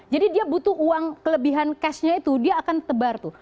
jadi dia butuh uang kelebihan cashnya itu dia akan tebar tuh